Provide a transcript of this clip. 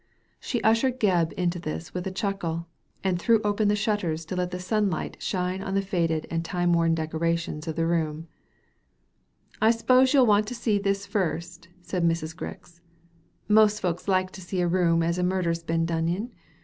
She ushered Gebb into this with a chuckle, and threw open the shutters to let the sunlight shine on the faded and time worn decorations of the roont '* I s'pose you'll want to see this first," said Mrs, Grix ;*' most folks likes to see a room as a murder's been done in.